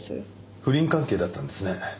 不倫関係だったんですね。